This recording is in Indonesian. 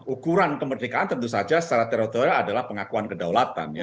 ukuran kemerdekaan tentu saja secara teritorial adalah pengakuan kedaulatan ya